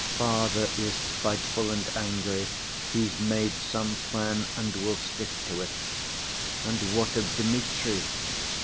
"Father is spiteful and angry, he's made some plan and will stick to it. And what of Dmitri?